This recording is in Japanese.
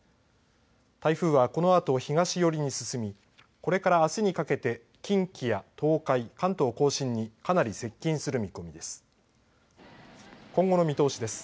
台風は、このあと東寄りに進みこれからあすにかけて近畿や東海関東甲信にかなり接近する見込みです。